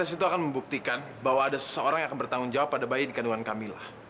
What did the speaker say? tetapi tes itu akan membuktikan bahwa ada seseorang yang akan bertanggung jawab pada bayi di kandungan kamilah